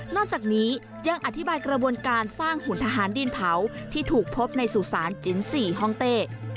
จากนี้ยังอธิบายกระบวนการสร้างหุ่นทหารดินเผาที่ถูกพบในสุสานจิน๔ห้องเต้